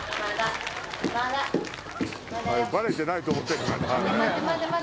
バレてないと思ってるのかな？